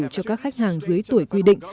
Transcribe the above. cho các khách hàng dưới tuổi quy định